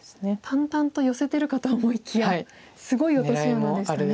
淡々とヨセてるかと思いきやすごい落とし穴でしたね。